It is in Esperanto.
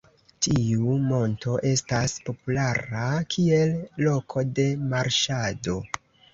Tiu monto estas populara kiel loko de marŝado.